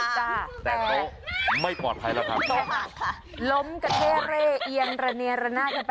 แตะโต๊ะไม่ปลอดภัยละครับ